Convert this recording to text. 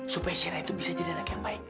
supaya syirah itu bisa jadi anak yang baik